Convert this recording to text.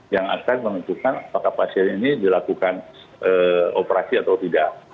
yang akan menentukan apakah pasien ini dilakukan operasi atau tidak